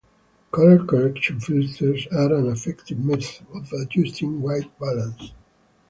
Color correction filters are an effective method of adjusting white balance.